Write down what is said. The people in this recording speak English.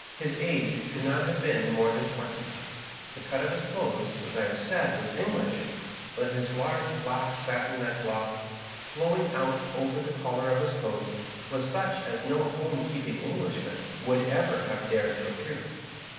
His age could not have been more than twenty. The cut of his clothes, as I have said, was English, but his large black satin neckcloth, flowing out over the collar of his coat, was such as no home keeping Englishman would ever have dared to appear in.